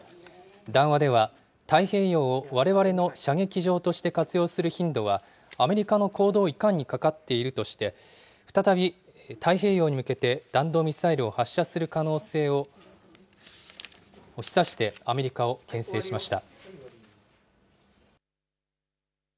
談話では、太平洋をわれわれの射撃場として活用する頻度は、アメリカの行動いかんにかかっているとして、再び太平洋に向けて、弾道ミサイルを発射する可能性を示唆して、アメリカをけん制しました。